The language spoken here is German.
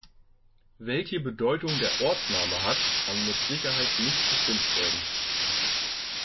Welche Bedeutung der Ortsname hat, kann mit Sicherheit nicht bestimmt werden.